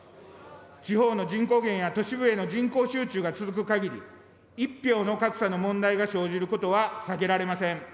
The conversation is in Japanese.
地方の人口減や都市部への人口集中が続くかぎり、１票の格差の問題が生じることは避けられません。